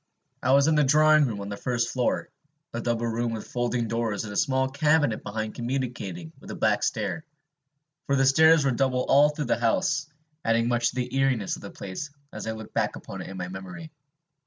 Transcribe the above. I was in the drawing room on the first floor, a double room with folding doors and a small cabinet behind communicating with a back stair; for the stairs were double all through the house, adding much to the eeriness of the place as I look back upon it in my memory.